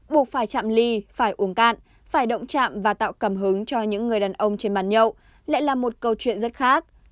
buộc phải chạm ly phải uồn cạn phải động trạm và tạo cảm hứng cho những người đàn ông trên bàn nhậu lại là một câu chuyện rất khác